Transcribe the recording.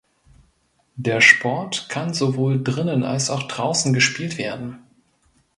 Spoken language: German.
Der Sport kann sowohl drinnen als auch draußen gespielt werden.